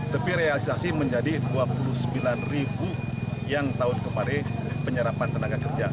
tapi realisasi menjadi dua puluh sembilan ribu yang tahun kemarin penyerapan tenaga kerja